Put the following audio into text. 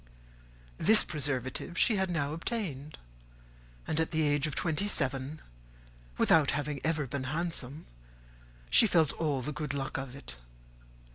This preservative she had now obtained; and at the age of twenty seven, without having ever been handsome, she felt all the good luck of it.